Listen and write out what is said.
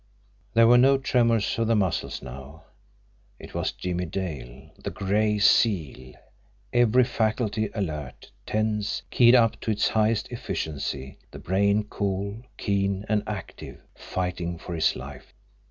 There were no tremours of the muscles now. It was Jimmie Dale, the Gray Seal, every faculty alert, tense, keyed up to its highest efficiency; the brain cool, keen, and active fighting for his life.